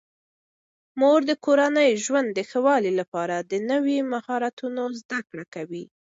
مور د کورني ژوند د ښه والي لپاره د نویو مهارتونو زده کړه کوي.